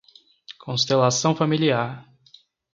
Constelação familiar